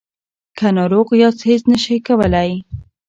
که ناروغ یاست هیڅ نشئ کولای.